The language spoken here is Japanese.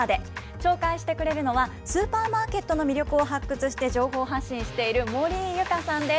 紹介してくれるのは、スーパーマーケットの魅力を発掘して情報発信している森井ユカさんです。